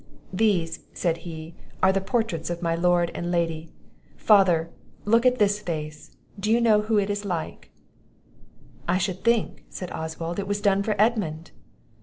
"These," said he, "are the portraits of my lord and lady. Father, look at this face; do you know who is like it?" "I should think," said Oswald, "it was done for Edmund!"